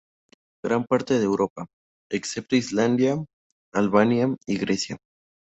Gran parte de Europa, excepto Islandia, Albania y Grecia.